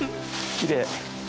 きれい。